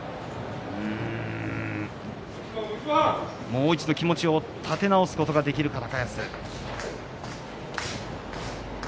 もう一度、気持ちを立て直すことができるか高安。